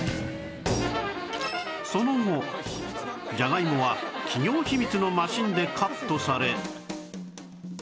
その後じゃがいもは企業秘密のマシンでカットされ